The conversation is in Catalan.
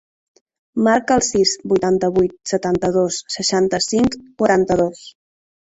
Marca el sis, vuitanta-vuit, setanta-dos, seixanta-cinc, quaranta-dos.